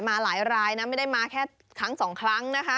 มาหลายรายนะไม่ได้มาแค่ครั้งสองครั้งนะคะ